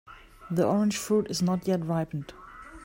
The orange fruit is not yet ripened.